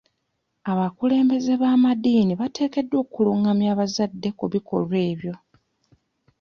Abakulembeze b'amadiini batekeddwa okulungamya abazadde ku bikolwa ebyo.